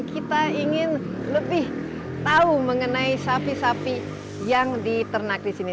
kita ingin lebih tahu mengenai sapi sapi yang diternak di sini